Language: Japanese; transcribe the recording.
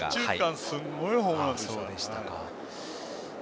あれは右中間へすごいホームランでした。